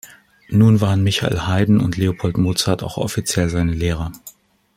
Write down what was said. Nun waren Michael Haydn und Leopold Mozart auch offiziell seine Lehrer.